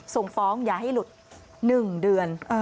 ส่งฟ้องอย่าให้หลุด๑เดือน